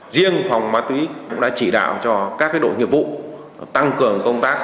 riêng phòng má túy cũng đã chỉ đạo cho các đội nhiệm vụ tăng cường công tác